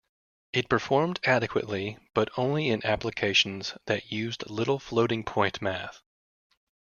It performed adequately, but only in applications that used little floating point math.